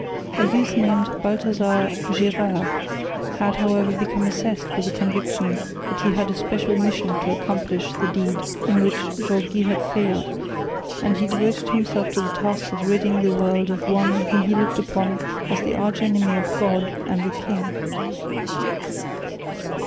A youth named Balthazar Gérard had however become obsessed with the conviction that he had a special mission to accomplish the deed in which Jaureguy had failed, and he devoted himself to the task of ridding the world of one whom he looked upon as the arch enemy of God and the king.